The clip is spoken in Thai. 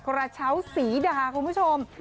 กระเช้าสีดาคุณผู้ชม